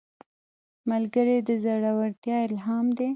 ملګری د زړورتیا الهام دی